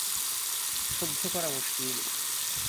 সহ্য করা মুশকিল।